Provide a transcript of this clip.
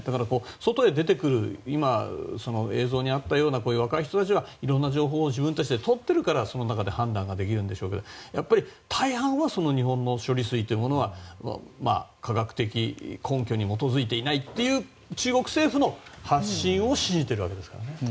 外へ出てくる映像にあったような若い人たちはいろいろな情報を自分たちでとってるからその中で判断できるんでしょうけどやっぱり大半は日本の処理水というものは科学的な根拠に基づいていないという中国政府の発信を信じているわけですからね。